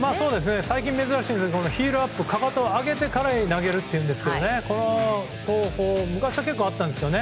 最近珍しいですけどヒールアップ、かかとを上げてから投げるというんですがこの投法昔は結構あったんですけどね。